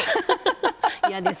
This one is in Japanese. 嫌です。